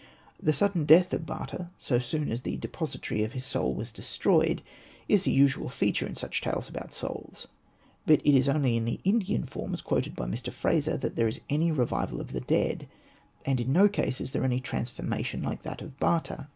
The sudden death of Bata, so soon as the depository of his soul was destroyed, is a usual feature in such tales about souls. But it is only in the Indian forms quoted by Mr. Frazer that there is any revival of the dead ; and in no case is there any transfor mation like that of Bata.